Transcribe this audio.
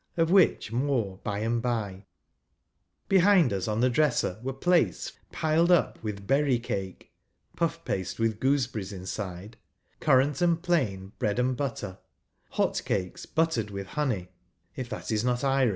of which more by and bye. Behind us, on the dresser, were plates piled up with " berry ' cake " (puff paste with gooseberries inside), currant and plain bread and butter, hot cakes j buttered with honey (if that is not Irish), L Ch«rle« Dickeni.